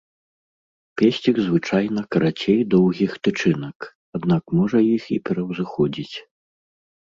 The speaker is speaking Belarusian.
Песцік звычайна карацей доўгіх тычынак, аднак можа іх і пераўзыходзіць.